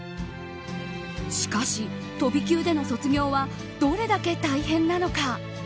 しかし飛び級での卒業はどれだけ大変なのか。